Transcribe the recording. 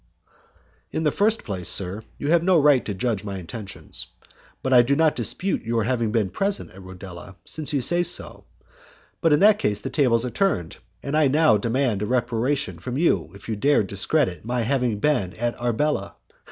"In the first place, sir, you have no right to judge of my intentions, but I do not dispute your having been present at Rodela, since you say so; but in that case the tables are turned, and now I demand a reparation from you if you dare discredit my having been at Arbela.